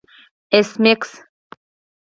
ایس میکس